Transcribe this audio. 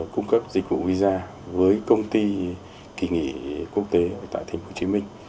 cung cấp dịch vụ visa với công ty kỳ nghỉ quốc tế tại tp hcm